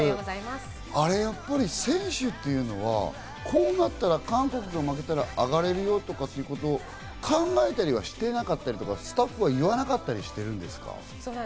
あれ、やっぱり選手っていうのは、こうなったら韓国が負けたら、上がれるようとかっていうこと、考えたりとかはしてなかったり、スタッフは言わなかったりしてるんですか？